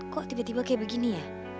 kok tiba tiba kayak begini ya